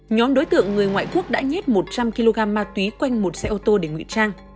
nhóm đối tượng người ngoại quốc đã nhét một trăm linh kg ma túy quanh một xe ô tô để ngụy trang